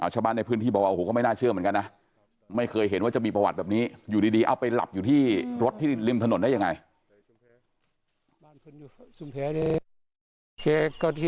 ชาวบ้านในพื้นที่บอกว่าโอ้โหก็ไม่น่าเชื่อเหมือนกันนะไม่เคยเห็นว่าจะมีประวัติแบบนี้อยู่ดีเอาไปหลับอยู่ที่รถที่ริมถนนได้ยังไง